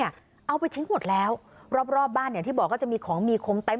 ไม่อยากให้แม่เป็นอะไรไปแล้วนอนร้องไห้แท่ทุกคืน